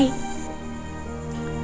yang iya cintai